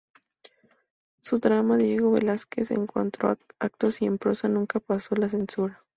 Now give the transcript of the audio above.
Su drama "Diego Velázquez", en cuatro actos y en prosa, nunca pasó la censura.